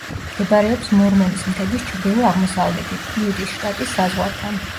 მდებარეობს მორმონის მთების ჩრდილო-აღმოსავლეთით, იუტის შტატის საზღვართან.